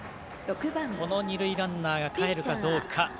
この二塁ランナーがかえるかどうか。